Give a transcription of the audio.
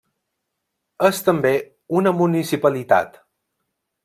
És també una municipalitat.